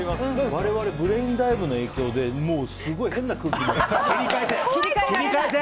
我々、ブレインダイブの影響で変な空気になっちゃって。